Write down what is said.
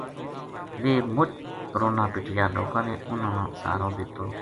ویہ مُچ رُنا پِٹیا لوکاں نے اُنھاں نا سہارو دَتو